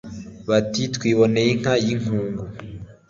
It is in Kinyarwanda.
Bati « twiboneye inka y' inkungu,